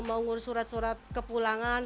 mau ngurus surat surat ke pulangan